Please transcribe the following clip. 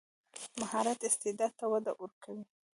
مهارت استعداد ته وده ورکوي.